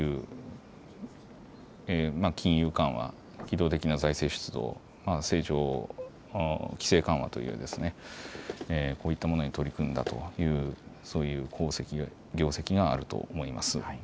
金融緩和、機動的な財政出動、規制緩和という、こういったものに取り組んだというそういう業績があると思います。